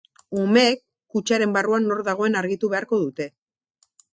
Umeek kutxaren barruan nor dagoen argitu beharko dute.